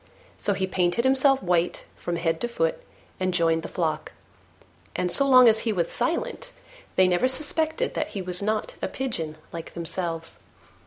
So he painted himself white from head to foot and joined the flock; and, so long as he was silent, they never suspected that he was not a pigeon like themselves.